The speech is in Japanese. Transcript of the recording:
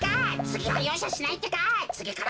つぎはようしゃしないってか！